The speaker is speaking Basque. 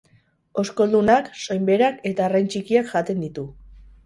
Oskoldunak, soinberak eta arrain txikiak jaten ditu.